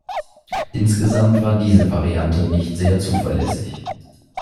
Insgesamt war diese Variante nicht sehr zuverlässig.